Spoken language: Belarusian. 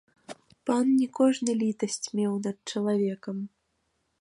Пан не кожны літасць меў над чалавекам.